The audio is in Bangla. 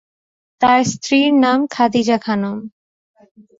তার স্ত্রীর নাম খাদিজা খানম।